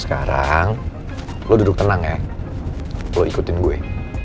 sekarang lo duduk tenang ya lo ikutin gue